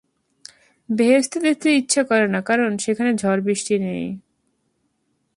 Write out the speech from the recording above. বেহেশতে যেতে ইচ্ছা করে না— কারণ সেখানে ঝড়-বৃষ্টি নেই।